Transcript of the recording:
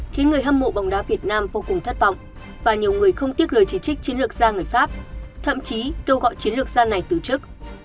khiến người hâm mộ bóng đá việt nam vô cùng thất vọng và nhiều người không tiếc lời chỉ trích chiến lược gia người pháp thậm chí kêu gọi chiến lược gia này từ chức